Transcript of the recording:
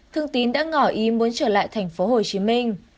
thương tín đã ngỏ ý muốn trở lại thành phố hồ chí minh